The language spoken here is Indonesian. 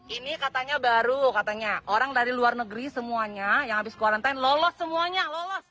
ini katanya baru katanya orang dari luar negeri semuanya yang habis quarantine lolos semuanya lolos